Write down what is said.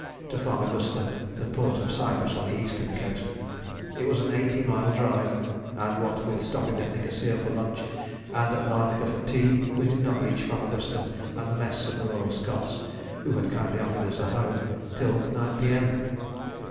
S.C., to Famagusta, the port of Cyprus on the eastern coast. It was an eighty mile drive, and what with stopping at Nikosia for lunch and at Larnaka for tea, we did not reach Famagusta and the mess of the Royal Scots, who had kindly offered us a home, till 9 P.M.